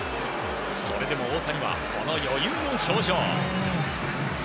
それでも大谷は、この余裕の表情。